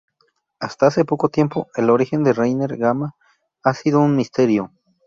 Hasta hace poco tiempo, el origen de Reiner Gamma ha sido un misterio.